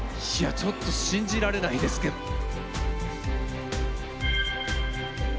いや、ちょっと信じられないですけど。